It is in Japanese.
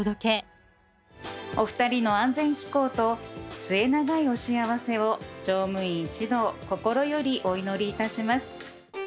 お二人の安全飛行と末永いお幸せを乗務員一同心よりお祈りいたします。